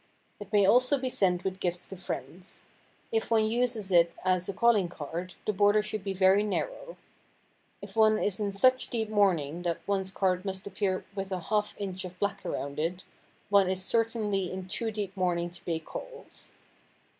It may also be sent with gifts to friends. If one uses it as a calling card the border should be very narrow. If one is in such deep mourning that one's card must appear with a half inch of black around it, one is certainly in too deep mourning to pay calls.